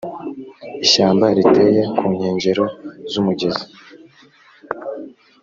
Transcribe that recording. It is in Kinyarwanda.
ishyamba riteye ku nkengero z’umugezi